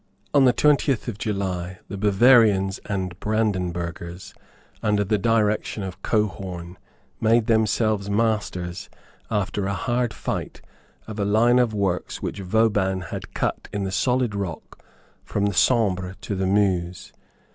On the twentieth of July the Bavarians and Brandenburghers, under the direction of Cohorn, made themselves masters, after a hard fight, of a line of works which Vauban had cut in the solid rock from the Sambre to the Meuse.